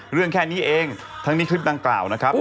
แค่นี้เองทั้งนี้คลิปดังกล่าวนะครับ